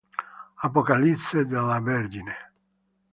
Apocalisse della Vergine